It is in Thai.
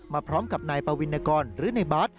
มาพร้อมกับนายปวินกรหรือนายบาท